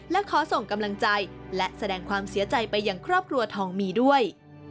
และขอส่งกำลังใจและแสดงความเสียใจไปยังครอบครัวทองมีด้วย